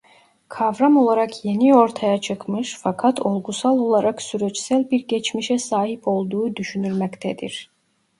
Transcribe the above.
Kavram olarak yeni ortaya çıkmış fakat olgusal olarak süreçsel bir geçmişe sahip olduğu düşünülmektedir.